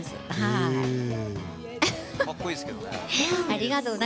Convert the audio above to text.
ありがとう。